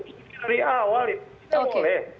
dari awal itu tidak boleh